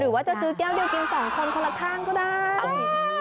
ว่าจะซื้อแก้วเดียวกิน๒คนคนละข้างก็ได้